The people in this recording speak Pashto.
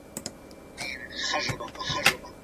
ښه ذهنیت وخت نه ځنډوي.